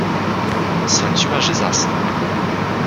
Sądziła, że zasnął.